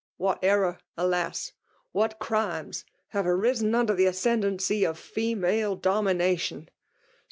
What error, alas !— what crimes, — have arisen under the ascendancy of female domination!